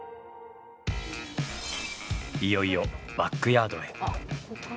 いよいよバックヤードへ。